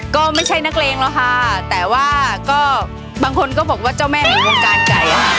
ก็ไม่ใช่นักเลงแล้วค่ะแต่ว่าก็บางคนก็บอกว่าเจ้าแม่แห่งวงการไก่ค่ะ